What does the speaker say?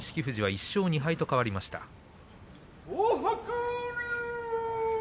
富士は１勝２敗と変わりました。